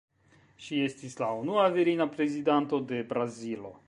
Ŝi estis la unua virina Prezidanto de Brazilo.